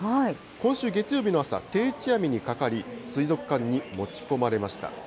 今週月曜日の朝、定置網にかかり、水族館に持ち込まれました。